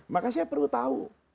maka saya perlu tahu